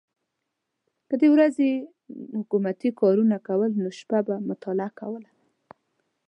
که د ورځې یې حکومتي کارونه کول نو شپه به مطالعه کوله.